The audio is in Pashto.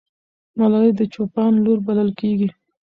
ملالۍ د چوپان لور بلل کېږي.